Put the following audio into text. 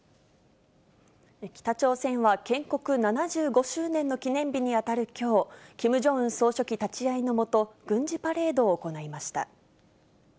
北朝鮮は建国７５周年の記念日に当たるきょう、キム・ジョンウン総書記立ち会いの下、軍事パレードを行いました。